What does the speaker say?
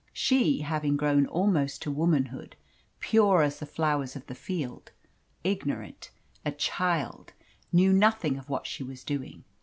She, having grown almost to womanhood, pure as the flowers of the field, ignorant, a child, knew nothing of what she was doing.